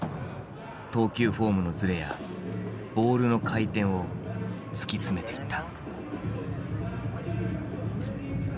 投球フォームのずれやボールの回転を突き詰めていった。